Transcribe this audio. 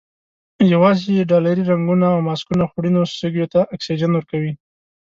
یوازې ډالري رنګونه او ماسکونه خوړینو سږیو ته اکسیجن ورکوي.